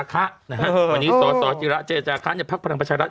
วันนี้สสจิระเจจาคะในพักพลังประชารัฐ